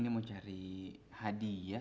mau cari hadiah